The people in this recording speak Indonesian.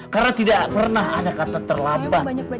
karena tidak pernah ada kata terlambat